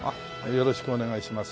よろしくお願いします。